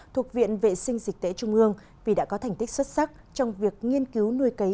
thuộc viện vệ sinh dịch tễ trung ương vì đã có thành tích xuất sắc trong việc nghiên cứu nuôi cấy